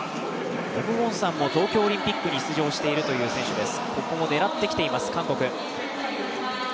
オム・ウォンサンも東京オリンピックに出場しているという選手です。